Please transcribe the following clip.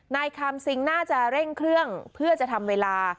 นายคามซิงน่าจะเร่งเครื่องเพื่อจะทำเวลา